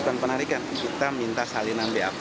bukan penarikan kita minta salinan bap